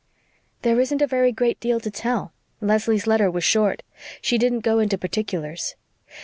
"There isn't a very great deal to tell. Leslie's letter was short. She didn't go into particulars.